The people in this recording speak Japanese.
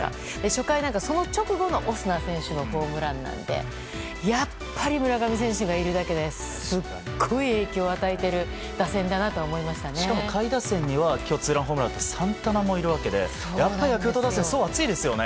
初回、その直後のオスナ選手のホームランなのでやっぱり、村上選手がいるだけですごい影響を与えているしかも下位打線には今日ツーランホームランを打ったサンタナもいるわけでやっぱりヤクルト打線層が厚いですよね。